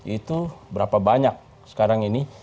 itu berapa banyak sekarang ini